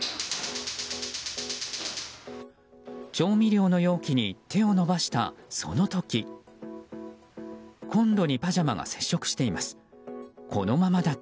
調味料の容器に手を伸ばしたその時コンロにパジャマが接触しています。